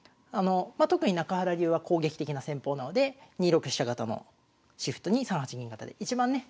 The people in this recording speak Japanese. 特に中原流は攻撃的な戦法なので２六飛車型のシフトに３八銀型でいちばんね